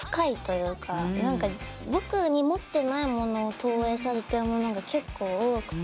僕に持ってないものを投影させてるものが結構多くて。